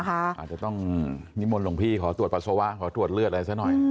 อาจจะต้องนิมนต์หลวงพี่ขอตรวจปัสสาวะขอตรวจเลือดอะไรซะหน่อย